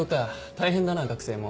大変だな学生も。